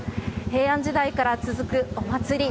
平安時代から続くお祭り。